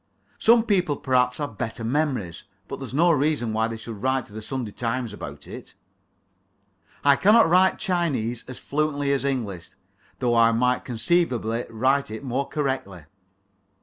Some people perhaps have better memories. But that's no reason why they should write to the "Sunday Times" about it. I cannot write Chinese as fluently as English, though I might conceivably write it more correctly.